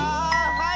はい！